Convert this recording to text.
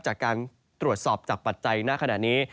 จากการตรวจสอบจากปัจจัยหน้าขณะนี้